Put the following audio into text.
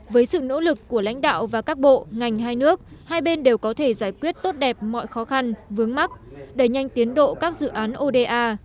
với sự nỗ lực của lãnh đạo và các bộ ngành hai nước hai bên đều có thể giải quyết tốt đẹp mọi khó khăn vướng mắt đẩy nhanh tiến độ các dự án oda